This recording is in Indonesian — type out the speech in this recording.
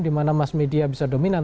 dimana mass media bisa dominan